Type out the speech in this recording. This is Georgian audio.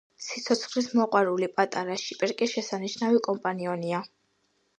სიცოცხლის მოყვარული პატარა შიპერკე შესანიშნავი კომპანიონია.